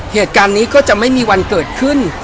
เหตุการณ์นี้ก็จะไม่มีวันเกิดขึ้น